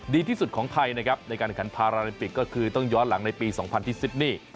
ดีที่สุดของไทยนะครับในการขันพาราลิมปิกก็คือต้องย้อนหลังในปี๒๐ที่ซิดนี่